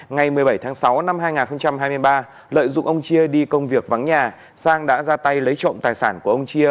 ngày một mươi bảy tháng sáu năm hai nghìn hai mươi ba lợi dụng ông chia đi công việc vắng nhà sang đã ra tay lấy trộm tài sản của ông chia